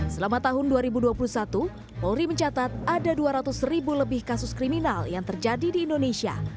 selama tahun dua ribu dua puluh satu polri mencatat ada dua ratus ribu lebih kasus kriminal yang terjadi di indonesia